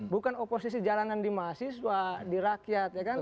bukan oposisi jalanan di mahasiswa di rakyat